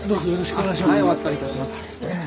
お預かりいたします。